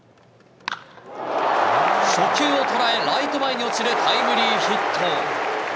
初球を捉えライト前に落ちるタイムリーヒット。